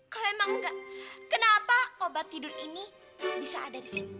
kalau emang enggak kenapa obat tidur ini bisa ada di sini